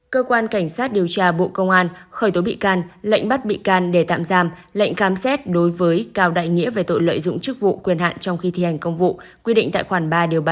cơ quan cảnh sát điều tra bộ công an khởi tố bị can lệnh bắt bị can để tạm giam lệnh khám xét đối với cao đại nghĩa về tội lợi dụng chức vụ quyền hạn trong khi thi hành công vụ quyết định tại khoảng ba ba trăm năm mươi sáu bộ luật hình sự